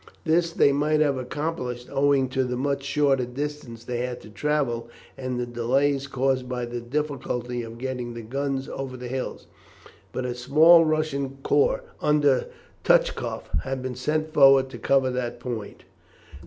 This they might have accomplished owing to the much shorter distance they had to travel and the delays caused by the difficulty of getting the guns over the hills, but a small Russian corps under Touchkoff had been sent forward to cover that point.